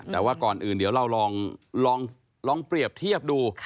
แต่ว่าก่อนอื่นเดี๋ยวเราลองเปรียบเทียบดู